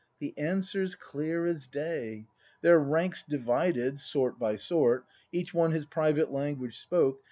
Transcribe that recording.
The answer's clear as day; Their ranks divided, sort by sort. Each one his private language spoke.